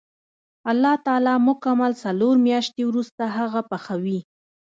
الله تعالی مکمل څلور میاشتې وروسته هغه پخوي.